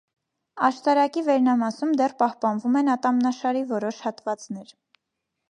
Աշտարակի վերնամասում դեռ պահպանվում են ատամնաշարի որոշ հատվածներ։